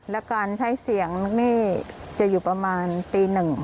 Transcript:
แล้วการใช้เสียงนี่จะอยู่ประมาณตีหนึ่ง